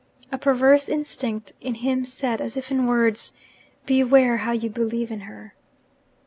A perverse instinct in him said, as if in words, Beware how you believe in her!